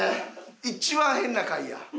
一番変な回や。